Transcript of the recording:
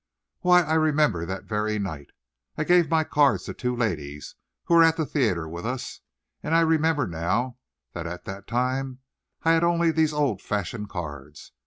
"Why, I remember that very night, I gave my cards to two ladies who were at the theatre with us; and I remember now that at that time I had only these old fashioned cards.